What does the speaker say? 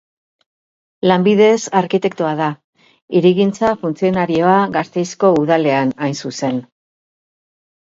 Lanbidez arkitektoa da; hirigintza-funtzionarioa Gasteizko Udalean, hain zuzen.